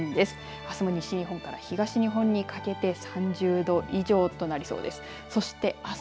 あすも西日本から東日本にかけて３０度以上となりそうです。